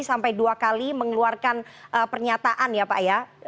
sampai dua kali mengeluarkan pernyataan ya pak ya